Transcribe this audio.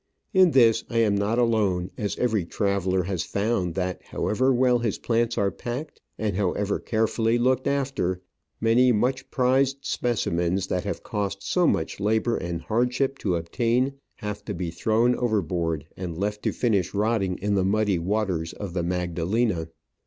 In this I am not alone, as every traveller has found that however well his plants are packed, and however carefully looked after, many much prized specimens, PUERTO COLOMBIA. that have cost so much labour and hardship to obtain, have to be thrown overboard and left to finish rotting in the muddy waters of the Magdalena.